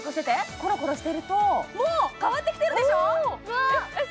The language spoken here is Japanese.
ころころしてるともう変わってきてるでしょ。